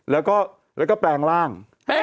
แล้วเขาก็เลยสึกแล้วก็แปลงร่าง